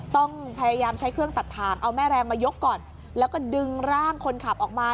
ต้องพยายามใช้เครื่องตัดทางเอาแม่แรงมายกก่อนแล้วก็ดึงร่างคนขับออกมา